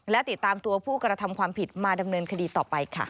และติดตามตัวผู้กระทำความผิดมาดำเนินคดีต่อไปค่ะ